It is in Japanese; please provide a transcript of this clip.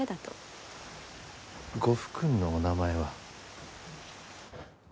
ご夫君のお名前は？